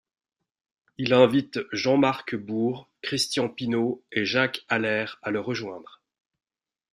Il invite Jean-Marc Bourg, Christian Pinaud et Jacques Allaire à le rejoindre.